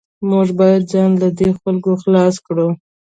موږ باید ځان له دې خلکو خلاص کړو